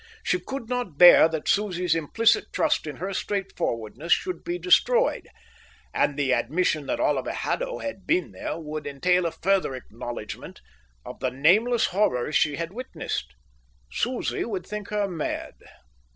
She could not bear that Susie's implicit trust in her straightforwardness should be destroyed; and the admission that Oliver Haddo had been there would entail a further acknowledgment of the nameless horrors she had witnessed. Susie would think her mad.